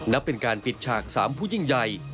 นับเป็นการปิดฉาก๓ผู้ยิ่งใหญ่